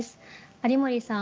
有森さん